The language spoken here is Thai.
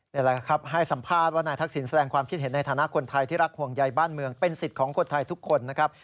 นี่แหละครับให้สัมภาษณ์ว่านายทักษิณแสดงความคิดเห็นในฐานะคนไทยที่รักห่วงใยบ้านเมืองเป็นสิทธิ์ของคนไทยทุกคนนะครับ